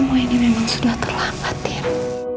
wah ini memang sudah terlambat ya